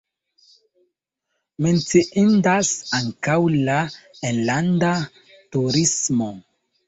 Menciindas ankaŭ la enlanda turismo.